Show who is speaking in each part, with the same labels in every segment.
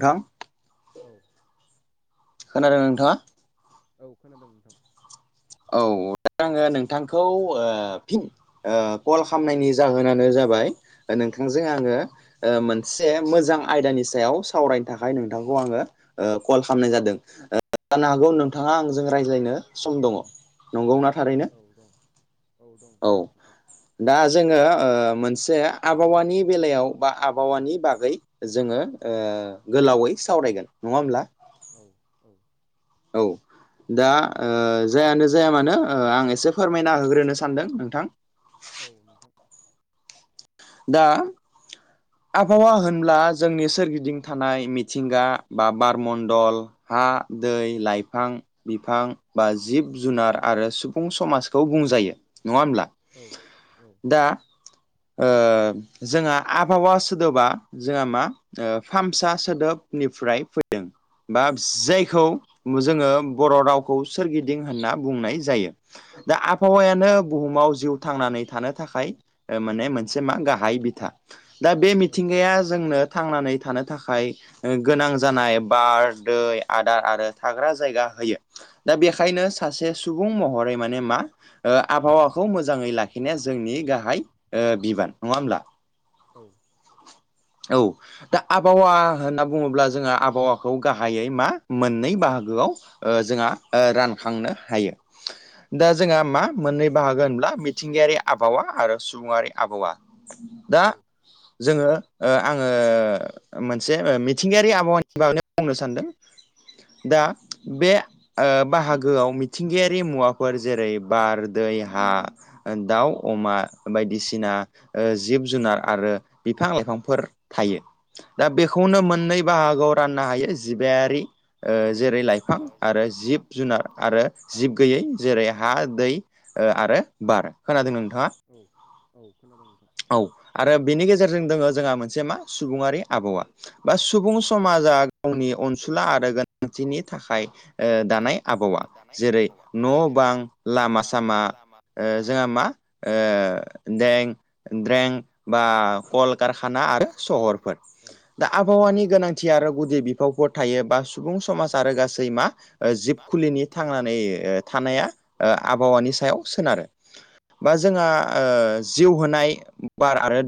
Speaker 1: नोंथां
Speaker 2: औ
Speaker 1: खोनादों नोंथाङा
Speaker 2: औ खोनादों नोंथां
Speaker 1: औ दा आङो नोंथांखौ ओ फिन ओ कल खामनायनि जाहोनानो जाबाय नोंथांजों आङो ओ मोनसे मोजां आयदानि सायाव सावरायनो थाखाय नोंथांखौ आङो ओ कल खामनाय जादों ओ जानो
Speaker 2: औ
Speaker 1: हागौ नोंथाङा आंजों रायज्लायनो सम दङ। नंगौना थारैनो
Speaker 2: औ दं दं
Speaker 1: औ
Speaker 2: नोंथां
Speaker 1: दा जोङो ओ मोनसे आबहावानि बेलायाव बा आबहावानि बागै जोङो ओ गोलावै सावरायगोन नङा होमब्ला
Speaker 2: औ औ
Speaker 1: औ दा ओ जायानो जाया मानो ओ आं एसे फोरमायना होग्रोनो सानदों नोंथां
Speaker 2: औ नोंथां
Speaker 1: दा आबहावा होनब्ला जोंनि सोरगिदिं थानाय मिथिंगा बा बारमण्डल हा दै लाइफां बिफां बा जिब जुनार आरो सुबुं समाजखौ बुंजायो नङा होमब्ला
Speaker 2: औ औ
Speaker 1: दा ओ जोंहा आबहावा सोदोबा जोंहा मा ओ फामसा सोदोबनिफ्राय फैदों। बा जायखौ जोङो बर' रावखौ सोरगिदिं होनना बुंनाय जायो। दा आबहावायानो बुहुमाव जिउ थांनानै थानो थाखाय ओ माने मोनसे मा गाहाय बिथा दा बे
Speaker 2: औ
Speaker 1: मिथिंगाया जोंनो थांनानै थानो थाखाय गोनां जानाय बार दै आदार आरो थाग्रा जायगा होयो। दा बेखायनो सासे सुबुं महरै माने मा ओ आबहावाखौ मोजाङै लाखिनाया जोंनि गाहाय ओ बिबान नङा होमब्ला औ दा आबहावा होनना बुङोब्ला जोङो आबहावाखौ गाहायै मा मोननै बाहागोआव ओ जोंहा रानखांनो हायो दा जोंहा मा मोननै बाहागो होनब्ला ब्ला मिथिंगायारि आबहावा आरो सुबुङारि आबहावा दा
Speaker 2: औ
Speaker 1: जोङो ओ आङो मोनसे मिथिंगायारि
Speaker 2: मोनसे
Speaker 1: आबहावानि बागैनो
Speaker 2: मिथिंगायारि
Speaker 1: बुंनो
Speaker 2: मुवानि
Speaker 1: सानदों। दा बे ओ बाहागोआव मिथिंगायारि मुवाफोर जेरै बार दै हा दाउ अमा बायदिसिना ओ जिब जुनार आरो बिफां लाइफांफोर थायो। दा बेखौनो मोननै बाहागोआव राननो हायो जिबायारि जेरै लाइफां फां
Speaker 2: जेरै
Speaker 1: आरो
Speaker 2: बिफां
Speaker 1: जिब जुनार आरो जिब गैयै जेरै हा दै ओ आरो बार खोनादों नोंथाङा
Speaker 2: औ औ खोनादों नोंथां।
Speaker 1: औ आरो बेनि गेजेरजों दोङो जोंहा मोनसे मा सुबुङारि आबहावा बा सुबुं
Speaker 2: औ
Speaker 1: समाजा गावनि अनसुला आरो गोनांथिनि थाखाय ओ दानाय आबहावा
Speaker 2: दानाय
Speaker 1: जेरै
Speaker 2: औवा
Speaker 1: न'
Speaker 2: जेरै
Speaker 1: बां लामा
Speaker 2: बां
Speaker 1: सामा
Speaker 2: लामा
Speaker 1: ओ जोंहा मा ओ दें द्रें बा कल कारखाना आरो सहरफोर दा आबहावनि गोनांथिया आरो गुदि बिफावफोर गथायो बा सुबुं समाज आरो गासै मा ओ जिब
Speaker 2: मा
Speaker 1: खुलिनि थांनानै
Speaker 2: जिबफोरनि थानानै
Speaker 1: थानाया आ आबहावानि सायाव सोनारो बा जोंहा ओ जिउ होनाय बार आरो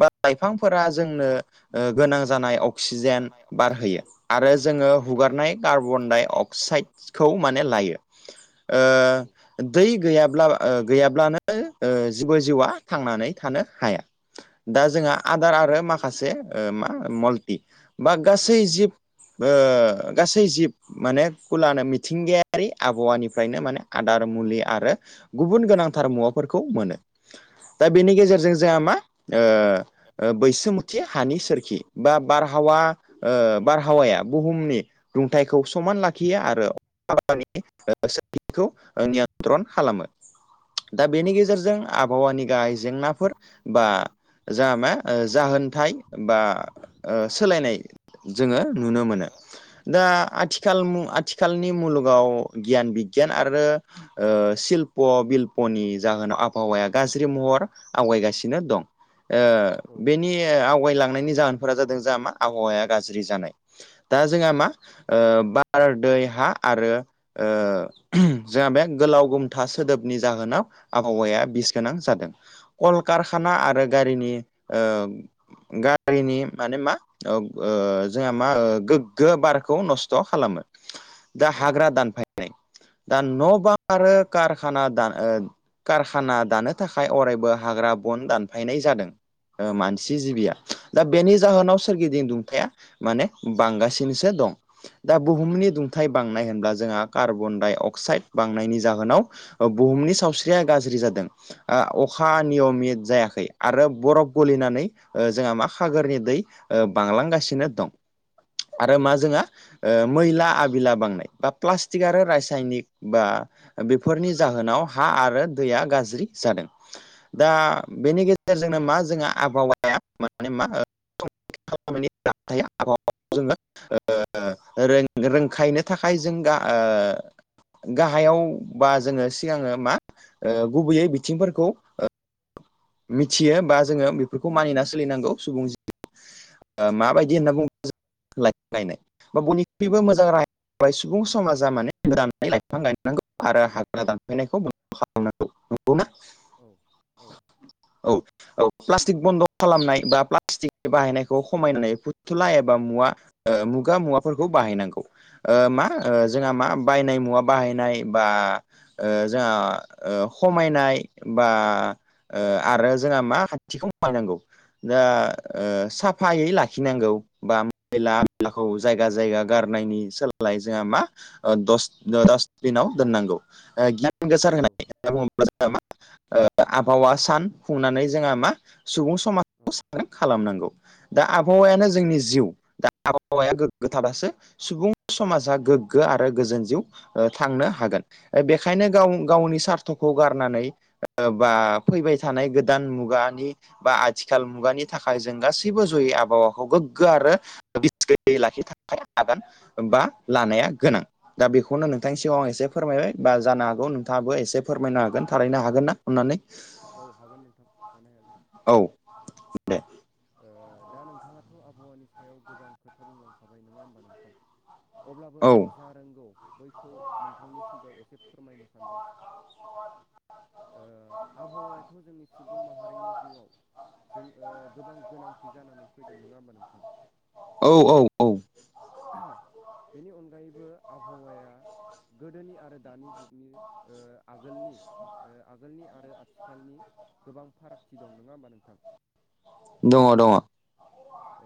Speaker 1: बार लाइफांफोरा जोंनो ओ गोनां जानाय अ क्सिजेन
Speaker 2: जानाय
Speaker 1: बार होयो
Speaker 2: अक्सिजेन
Speaker 1: आरो
Speaker 2: बार
Speaker 1: जोङो
Speaker 2: आरो
Speaker 1: हुगारनाय कार्बन डाइ
Speaker 2: हगारनाय
Speaker 1: अक्साइड
Speaker 2: कार्बन
Speaker 1: खौ माने लायो
Speaker 2: औ
Speaker 1: ओ दै गैयाब्ला ओ गैयाब्लानो ओ जेबो जिउआ थांनानै थानो हाया दा जोंहा
Speaker 2: औ
Speaker 1: आफा दार आरो माखासे ओ मा मल्टि बा गासै जिब बोओ गासै जिब माने खुलानो मिथिंगायारि आबहावानिफ्रायनो माने आदार मुलि आरो गुबुन गोनांथार मुवाफोरखौ मोनो। दा
Speaker 2: औ
Speaker 1: बेनि गेजेरजों जोंहा मा ओ ओ बैसोमुथि
Speaker 2: ओ
Speaker 1: हानि
Speaker 2: सोमो
Speaker 1: सोरखि बा बारहावा ओ बारहावाया बुहुमनि दुंथाइखौ समान लाखियो आरो [unintelligible] ट्रन खालामो दा बेनि गेजेरजों आबहावानि गाहाय जेंनाफोर बा जाआ मा जाहोनथाय बा ओ
Speaker 2: आ
Speaker 1: सोलायनाय जोङो नुनो मोनो
Speaker 2: जोङो
Speaker 1: दा आथिखाल मु आथिखालनि मुलुगाव गियान बिगियान आरो ओ सिल्प बिल्पनि जाहोनाव आबहावाया गाज्रि महर आवगायगासिनो दं ओ बे नि आवगायलांनायनि जाहोनफोरा जादों जों मा आबहावाया गाज्रि जानाय दा जोंहा मा ओ बार दै हा आरो ओ जोंहा बे गोलाव गोमथा सोदोबनि जाहोनाव आबहावाया बिस गोनां जादों कलकारखाना आरो गारिनि ओ गारिनि माने मा औ जोंहा मा गोग्गो बारखौ नस्थ' खालामो दा हाग्रा दानफायनाय दा न बां आरो कारखाना दान ओ कारखाना दानो थाखाय अरायबो हाग्रा बन दानफायनाय जादों ओ मानसि जिबिया दा बेनि जाहोनाव सोरगिदिं दुंथाया माने बांगासिनोसो दं। दा बुहुमनि दुंथाइ बांनाय होनब्ला जोंहा कार्बन डाइ अक्साइड बांनायनि जाहोनाव बुहुमनि सावस्रिया गाज्रि जादों ओ अखा नियमित जायाखै आरो बरफ गलिनानै जोंहा मा खागोरनि दै बांलांगासिनो दं। आरो मा जोंहा ओ मैला आबिला बांनाय बा प्लास्टिक आरो रासायनिक बा बेफोरनि जाहोनाव हा आरो दैया गाज्रि जादों दा बेनि गेजेरजोंनो मा जोंहा आबहावाया माने मा [unintelligible] [unintelligible] जोङो ओ रों-रोंखायनो थाखाय जोंगा ओ गाहायाव बा जोङो सिगाङो मा ओ गुबैयै बिथिंफोरखौ ओ मिथियो बा जोङो बेफोरखौ मानिना सोलिनांगौ सुबुं जि ओ माबायदि होनना बुं [unintelligible] बा बयनिख्रुइबो मोजां [unintelligible] सुबुं समासा माने [unintelligible] लायफां गायनांगौ। आरो हाग्रा दानफायनायखौ बन्द खालाम नांगौ। नंगौना?
Speaker 2: औ औ
Speaker 1: औ औ प्लास्टिक बन्द खालामनाय बा प्लास्टिक बाहायनायखौ खमायनानै फुथुला एबा मुवा ओ मुगा मुवाफोरखौ बाहायनांगौ ओ मा जोंहा मा बायनाय मुवा बाहायनाय बा ओ जोंहा ओ खमायनाय बा ओ आरो जोंहा मा [unintelligible] ओ दा साफायै लाखिनांगौ बा मैला मैलाखौ जायगा जायगा गारनायनि सोलायै जोंहा मा ओ दस दस दिनाव दोननांगौ ओ गि [unintelligible] ओ आबहावा सा सान फुंनानै जोंहा मा सुबुं समाजखौ [unintelligible] खालामनांगौ दा आबहावायानो जोंनि जिउ दा आबहावाया गोगो थाबासो सुबुं समाजा गोग्गो आरो गोजोन जिउ थांनो हागोन बेखायनो गाव गावनि सार्थखौ गारनानै ओ बा फैबाय थानाय गोदान मुगानि बा आथिखाल मुगानि थाखाय जों गासैबो जयै आबहावाखौ गोग्गो आरो [unintelligible] बा लानाया गोनां दा बेखौनो नोंथांनि सिगाव आं एसे फोरमायबाय बा जानो हागौ नोंथाङाबो एसे फोरमायनो हागोन थारैनो हागोन ना अननानै?
Speaker 2: औ हागोन नोंथां मानो हाया जानो
Speaker 1: औ
Speaker 2: ओ दा नोंथाङाथ' आबहावानि सायाव गोबां खोथा बुंलांखाबाय नोङा होमबा नोंथां? अब्लाबो आं
Speaker 1: औ
Speaker 2: जा रोंगौ बैखौ नोंथांनि सिगाङाव एसे फोरमायनो सानदों। ओ आबहावायाथ' जोंनि सुबुं माहारिनि जिउआव जों ओ गोबां गोनांथि जानानै फैदों नोङा होमबा नोंथां?
Speaker 1: औ औ औ
Speaker 2: बेनि अनगायैबो आबहावाया गोदोनि आरो दानि जुगनि ओ आगोलनि ओ आगोलनि आरो आथिखालनि गोबां फारागथि दं नङा होमबा नोंथां?
Speaker 1: दङ दङ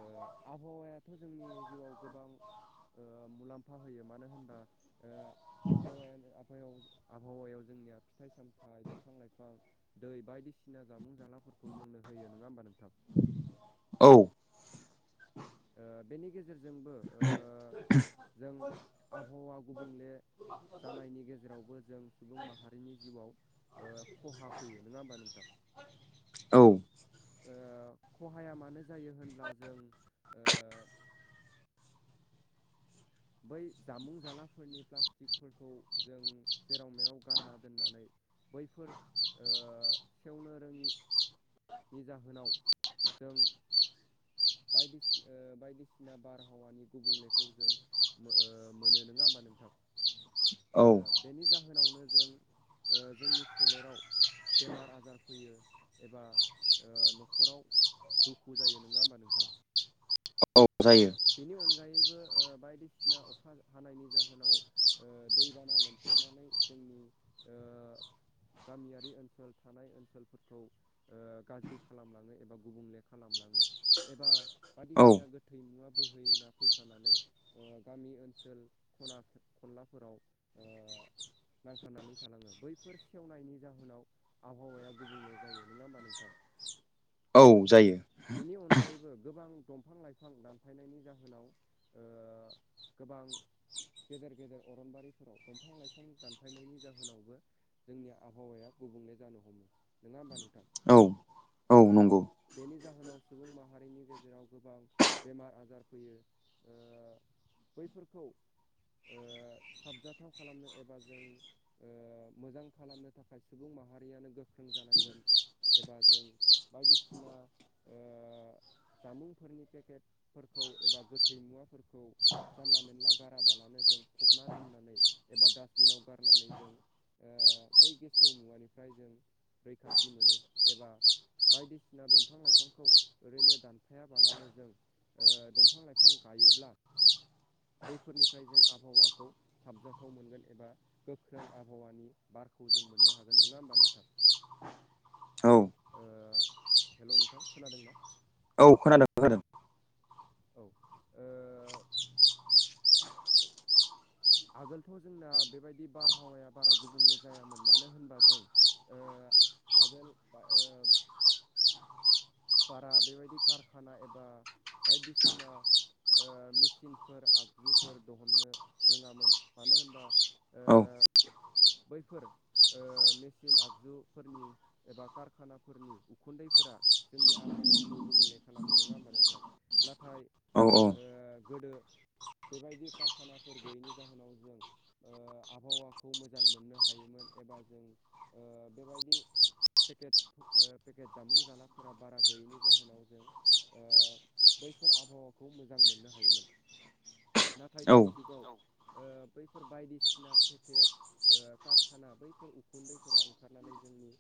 Speaker 2: ओ आबहावायाथ' जोंनि जिउआव गोबां ओ मुलाम्फा होयो मानो होनबा ओ आबहावायानो [unintelligible] आबहावायाव जोंनिया फिथाइ सामथाइ दंफां लाइफां दै बायदिसिना जामुं जालाफोरखौ जोंनो होयो नोङा होमबा नोंथां?
Speaker 1: औ।
Speaker 2: ओ बेनि गेजेरजोंबो ओ जों आबहावा गुबुंले जानायनि गेजेरावबो जों सुबुं माहारिनि जिउआव ओ खहा फैयो नोङा होमबा नोंथां?
Speaker 1: औ।
Speaker 2: ओ खहाया मानो जायो होनब्ला जों ओ बै जामुं जालाफोरनि प्लास्टिकफोरखौ जों जेराव मेराव गारना दोननानै बैफोर ओ सेवनो रोङि नि जाहोनाव जों औह बायदिसिना बारहावानि गुबुंलेखौ जों मोह मोनो नोङा होमाबा नोंथां? ओ
Speaker 1: औ
Speaker 2: बेनि जाहोनावनो जों ओ जोंनि सोलेराव बेमार आजार फैयो एबा ओ न'खराव दुखु जायो नङा होमबा नोंथां।
Speaker 1: औ जायो।
Speaker 2: बेनि अनगायैबो ओ बायदिसिना अखा हानायनि जाहोनाव ओ दैबाना लोमसावनानै जोंनि ओ गामियारि ओनसोल थानाय ओनसोलफोरखौ ओ गाज्रि खालामलाङो एबा गुबुंले खालामलाङो एबा
Speaker 1: औ
Speaker 2: बादिसिना गोथै मुवा बोहैना फैफानानै ओ गामि ओनसोल खना खनलाफोराव ओ नांथानानै थालाङो बैफोर सेवनायनि जाहोनाव आबहावाया गुबुंले जायो। नोङा होमबा नोंथां?
Speaker 1: औ जायो।
Speaker 2: बेनि अनगायैबो गोबां दंफां लाइफां दानफायनायनि जाहोनाव ओ गोबां गेदेर गेदेर अरनबारिफोराव दंफां लाइफां दानफायनायनि जाहोनावबो जोंनि आबहावाया गुबुंले जानो हमो नोङा होमबा नोंथां।
Speaker 1: औ औ नंगौ।
Speaker 2: बेनि जाहोनाव सुबुं माहारिनि गेजेराव गोबां बेमार आजार फैयो ओ बैफोरखौ ओ साबजाथाव खालामनो एबा जों ओ मोजां खालामनो थाखाय सुबुं माहारियानो गोख्रों जानांगोन एबा जों बायदिसिना ओ जामुंफोरनि पेकेट फोरखौ एबा गोथै मुवाफोरखौ जानला मेनला गाराबालानो जों फबना दोननानै एबा डास्टबिनाव गारनानै जों ओ बै गेसेव मुवानिफ्राय जों रैखाथि मोनो एबा बायदिसिना दंफां लाइफां खौ ओरैनो दानफायाबालानो जों ओ दंफां लाइफां गायोब्ला बैफोरनिफ्राय जों आबहावाखौ साबजाथाव मोनगोन एबा गोख्रों आबहावानि बारखौ जों मोननो हागोन। नङा होमबा नोंथां?
Speaker 1: [inaudible] औ
Speaker 2: ओ हेल' नोंथां। खोनादोंना
Speaker 1: औ खोनादों खोनादों
Speaker 2: औ ओ आगोलथ' जोंना बेबायदि बारहावाया बारा गुबुंले जायामोन मानो होनबा जों ओ आगोल बा ओ बारा बेबायदि कारखाना एबा बायदिसिना ओ मेसिनफोर आगजुफोर दहननो रोङामोन मानो होनबा ओ
Speaker 1: औ
Speaker 2: बैफोर ओ मेसिन आगजुफोरनि एबा कारखानाफोरनि उखुन्दैफोरा जोंनि आबहावाखौ गुबुंले खालामो नङा होमबा नोंथां नाथाय
Speaker 1: औ
Speaker 2: ओ गोदो बेबायदि कारखाना फोर गैयैनि जाहोनाव जों ओ आबहावाखौ मोजां मोननो हायोमोन एबा जों ओ बेबायदि पेकेट ओ पेकेट जामुं जलाफोरा बारा गैयैनि जाहोनाव जों ओ बैफोर आबहावाखौ मोजां मोननो हायोमोन। नाथाय
Speaker 1: औ
Speaker 2: दानि जुगाव औ ओ बैफोर बायदिसिना पेकेट ओ कारखाना बैफोर उखुन्दैफोरा ओंखारनानै जोंनि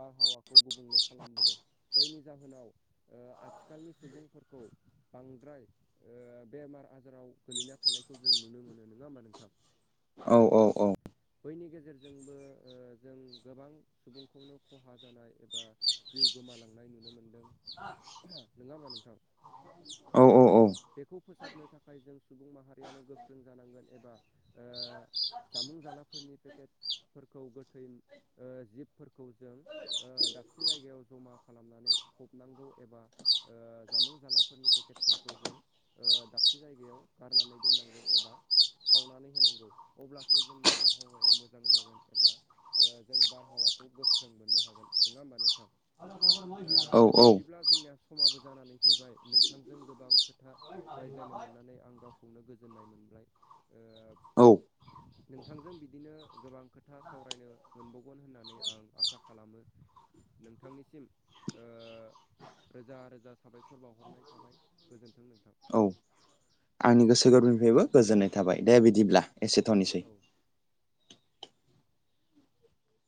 Speaker 2: बारहावाखौ गुबुंले खालामबोदों बैनि जाहोनाव ओ आथिखालनि सुबुंफोरखौ बांद्राय ओ बेमार आजाराव गोलैना थानायखौ जों नुनो मोनो नङा होमबा नोंथां।
Speaker 1: औ औ औ
Speaker 2: बैनि गेजेरजोंबो ओ जों गोबां सुबुंखौनो खहा जानाय एबा जिउ गोमालांनाय नुनो मोनदों नङा होम्बा नोंथां।
Speaker 1: औ औ औ
Speaker 2: बेखौ फोसाबनो थाखाय जों सुबुं माहारियानो गोख्रों जानांगोन एबा ओ जामुं जालाफोरनि पेकेटफोरखौ गोथै ओ जिबफोरखौ जों ओ दाबसे जायगायाव जमा खालामनानै फबनांगौ एबा ओ जामुं जालाफोरनि पेकेटफोरखौ जों ओ दाबसे जायगायाव गारनानै दोननांगौ एबा खावनानै होनांगौ अब्लासो जोंनि आबहावाया मोजां जागोन एबा ओ जों बारहावाखौ गोख्रों मोननो हागोन नङा होमबा नोंथां।
Speaker 1: औ
Speaker 2: ओ
Speaker 1: औ औ
Speaker 2: बिब्दिब्ला जोंनिया समाबो जानानै फैबाय नोंथांजों गोबां खो था रायज्लायनो मोननानै आं गावखौनो गोजोननाय मोनबाय ओ नोंथांजों बिदिनो गोबां खोथा सावरायनो मोनबावगोन होननानै आं आसा खालामो नोंथांनिसिम ओ रोजा रोजा साबायखर बावहरनाय थाबाय गोजोन्थों नोंथां।
Speaker 1: आंनि गोसो गोरबोनिफ्रायबो गोजोननाय थाबाय दे बिदिब्ला एसे थनिसै।
Speaker 2: औ